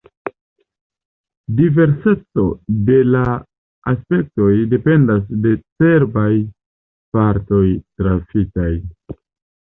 Diverseco de la aspektoj dependas de cerbaj partoj trafitaj.